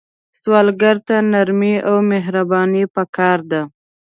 سوالګر ته نرمي او مهرباني پکار ده